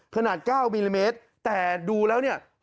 ขนาด๙มิลลิเมตรแต่ดูแล้วเนี่ย